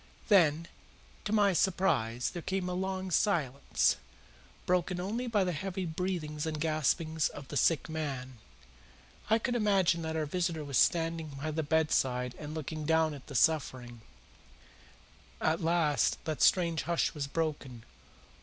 Then, to my surprise, there came a long silence, broken only by the heavy breathings and gaspings of the sick man. I could imagine that our visitor was standing by the bedside and looking down at the sufferer. At last that strange hush was broken.